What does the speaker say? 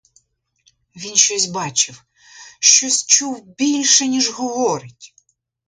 Він щось бачив, щось чув більше, ніж говорить!